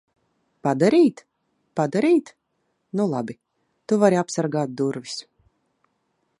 Padarīt? Padarīt? Nu labi. Tu vari apsargāt durvis.